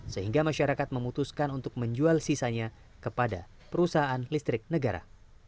sehingga masyarakat memutuskan untuk menjual sisanya kepada perusahaan listrik negara